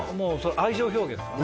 愛情表現ですかね